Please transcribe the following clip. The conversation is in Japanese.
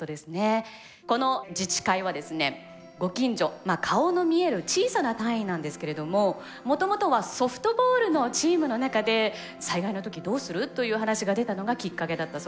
近助顔の見える小さな単位なんですけれどももともとはソフトボールのチームの中で「災害の時どうする？」という話が出たのがきっかけだったそうです。